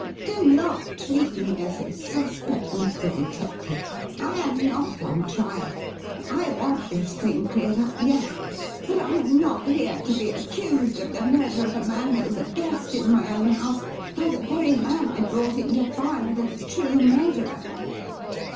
Do not treat me as a suspect, Mr. Detective. I am not on trial. I want this thing cleared up, yes; but I am not here to be accused of the murder of a man who was a guest in my own house, by the very man I brought in to find the true murderer."